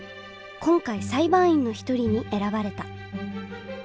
今回裁判員の一人に選ばれた。